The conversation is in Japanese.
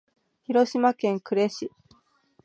広島県呉市